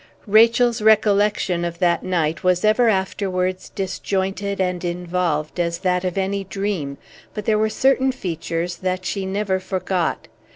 Rachel's recollection of that night was ever afterwards disjointed and involved as that of any dream; but there were certain features that she never forgot.